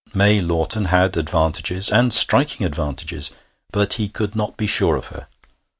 May Lawton had advantages, and striking advantages, but he could not be sure of her.